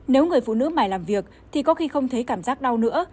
nếu người phụ nữ mài làm việc thì có khi không thấy cảm giác đau nữa